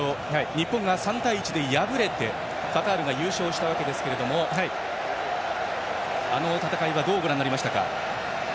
日本が３対１で敗れてカタールが優勝したわけですけれどもあの戦いはどうご覧になりましたか。